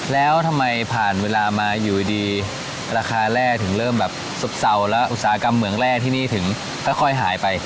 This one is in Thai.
แล้วทำไมผ่านเวลามาอยู่ดีราคาแร่ถึงเริ่มแบบซบเศร้าแล้วอุตสาหกรรมเหมืองแร่ที่นี่ถึงค่อยหายไป